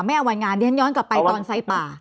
ไม่เอาวันงานย้อนกลับไปตอนไฟป่า